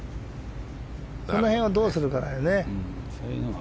その辺をどうするかだよね。